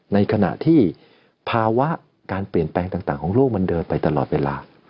ในขณะที่ภาวะการเปลี่ยนแปลงต่างของโลกมันเดินไปตลอดเวลา